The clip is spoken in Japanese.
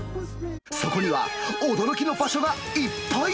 そこには驚きの場所がいっぱい。